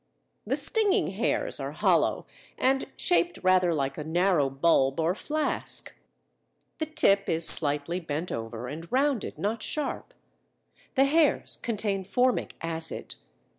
The stinging hairs are hollow and shaped rather like a narrow bulb or flask; the tip is slightly bent over and rounded (not sharp); the hairs contain formic acid.